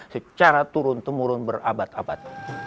secara turun temurun berabad abad